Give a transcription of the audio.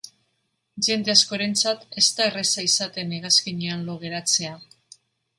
Jende askorentzat ez da erreza izaten hegazkinean lo geratzea.